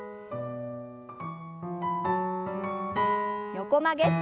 横曲げ。